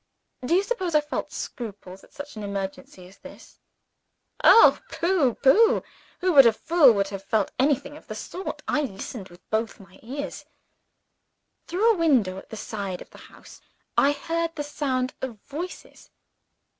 (Do you suppose I felt scruples in such an emergency as this? Oh, pooh! pooh! who but a fool would have felt anything of the sort!) I listened with both my ears. Through a window at the side of the house, I heard the sound of voices.